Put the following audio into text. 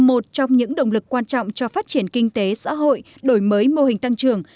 một trong những động lực quan trọng cho phát triển kinh tế xã hội đổi mới mô hình tăng trưởng